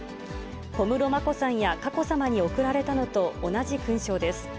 小室眞子さんや佳子さまに贈られたのと同じ勲章です。